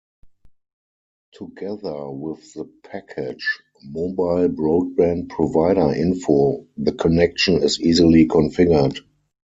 Together with the package mobile-broadband-provider-info the connection is easily configured.